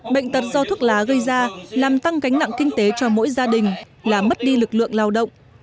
bệnh tật do thuốc lá gây ra làm tăng gánh nặng kinh tế cho mỗi gia đình là mất đi lực lượng lao động